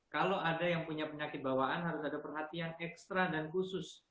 kalau ada yang punya penyakit bawaan harus ada perhatian ekstra dan khusus